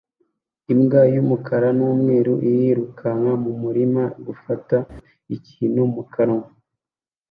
Imbwa y'umukara n'umweru iriruka mu murima gufata ikintu mu kanwa